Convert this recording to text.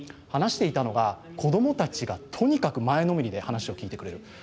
話していたのが子どもたちがとにかく前のめりで話を聞いてくれる。